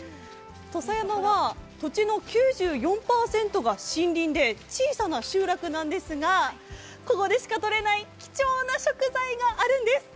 土佐山は土地の９４％が森林で小さな集落なんですがここでしかとれない、貴重な食材があるんです。